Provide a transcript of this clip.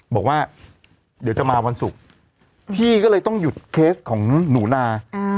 บอกว่าเดี๋ยวจะมาวันศุกร์พี่ก็เลยต้องหยุดเคสของหนูนา